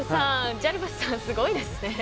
ジャルバスさんすごいですね。